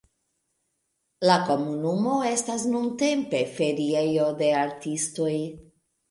La komunumo estas nuntempe feriejo de artistoj.